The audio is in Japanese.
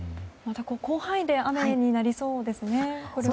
広範囲で雨になりそうですね。